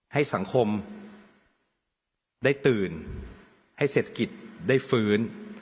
ให้สังคมได้ตื่นให้เศรษฐกิจได้ฟื้น